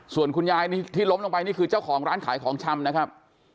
ส่วนคุณยายที่ล้มลงไปนี่คือเจ้าของร้านขายของชำนะครับ